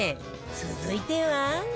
続いては